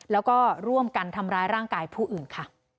แล้วก็ร่วมกันทำร้ายร่างกายผู้อื่นค่ะ